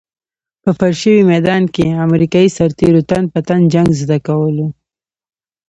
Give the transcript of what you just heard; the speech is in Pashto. په فرش شوي ميدان کې امريکايي سرتېرو تن په تن جنګ زده کول.